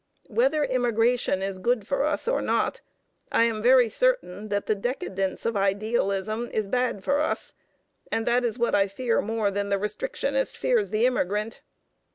Whether immigration is good for us or not, I am very certain that the decadence of idealism is bad for us, and that is what I fear more than the restrictionist fears the immigrant.